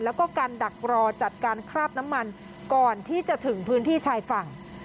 แล้วก็การดักรอจัดการคราบน้ำมันก่อนที่จะถึงพื้นที่ชายฝั่ง